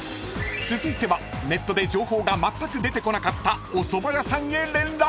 ［続いてはネットで情報がまったく出てこなかったおそば屋さんへ連絡］